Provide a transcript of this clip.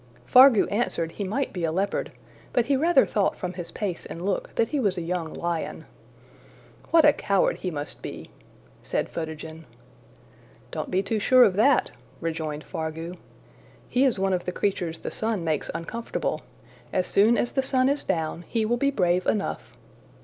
'' Fargu answered he might be a leopard, but he rather thought from his pace and look that he was a young lion. ``What a coward he must be!'' said Photogen. ``Don't be too sure of that,'' rejoined Fargu. ``He is one of the creatures the sun makes umcomfortable. As soon as the sun is down, he will be brave enough.''